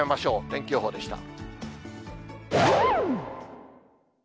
天気予報でした。